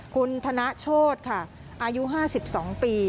คุณธนโชธค่ะอายุ๕๒ปี